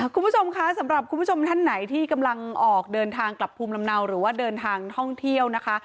คุณผู้ชมคะสำหรับคุณผู้ชมท่านไหนที่กำลังออกเดินทางกลับภูมิลำเนาหรือว่าเดินทางท่องเที่ยวนะคะ